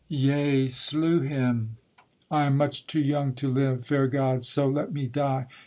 Yea, slew him: I am much too young to live, Fair God, so let me die!